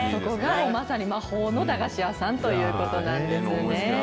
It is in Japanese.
まさに魔法の駄菓子屋さんということなんですね。